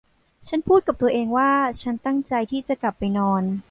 ฉันพูดกับตัวเองว่าฉันตั้งใจที่จะกลับไปนอน